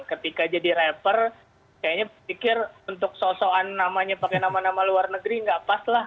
ketika jadi rapper kayaknya pikir untuk sosokan namanya pakai nama nama luar negeri nggak pas lah